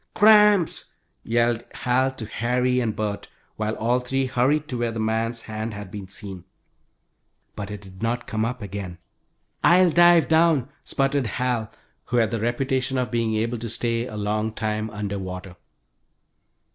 "Cramps," yelled Hal to Harry and Bert, while all three hurried to where the man's hand had been seen. But it did not come up again. "I'll dive down!" spluttered Hal, who had the reputation of being able to stay a long time under water.